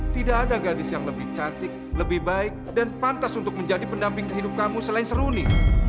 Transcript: tidak ada gadis yang lebih cantik lebih baik dan pantas untuk menjadi pendamping kehidupan kamu selain seruni